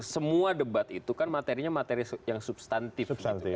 semua debat itu kan materinya materi yang substantif